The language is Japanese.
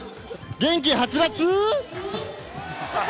元気はつらつ。